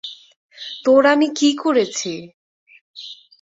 তোর আমি কী করেছি!